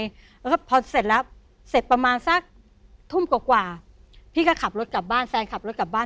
แล้วก็พอเสร็จแล้วเสร็จประมาณสักทุ่มกว่าพี่ก็ขับรถกลับบ้านแฟนขับรถกลับบ้าน